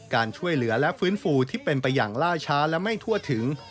การช่วยเหลือและฟื้นฟูที่เป็นไปอย่างล่าช้าและไม่ทั่วถึง